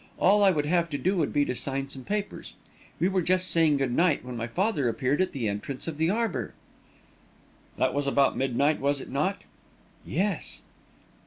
All I would have to do would be to sign some papers. We were just saying good night, when my father appeared at the entrance of the arbour." "This was about midnight, was it not?" "Yes."